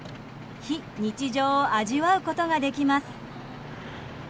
非日常を味わうことができます。